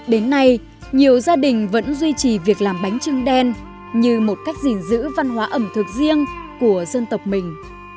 đến nay nhiều gia đình vẫn duy trì việc làm bánh trưng đen như một cách gìn giữ văn hóa ẩm thực riêng của dân tộc mình